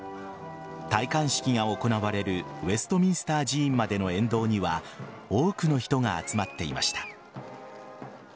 戴冠式が行われるウェストミンスター寺院までの沿道には多くの人が集まっていました。